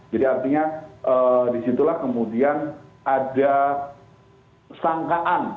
jadi artinya disitulah kemudian ada sangkaan